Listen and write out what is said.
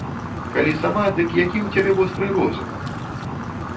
Калі сама, дык які ў цябе востры розум!